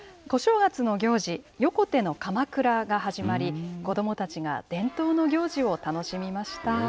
小正月の行事、横手のかまくらが始まり、子どもたちが伝統の行事を楽しみました。